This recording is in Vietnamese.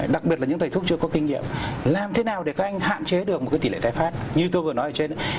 đặc biệt là những thầy phước chưa có kinh nghiệm làm thế nào để các anh hạn chế được một cái tỷ lệ tái pháp như tôi vừa nói ở trên đấy